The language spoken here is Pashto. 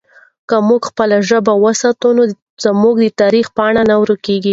که موږ خپله ژبه وساتو نو زموږ د تاریخ پاڼې نه ورکېږي.